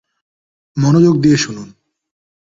মনোযোগ দিয়ে শুনুন।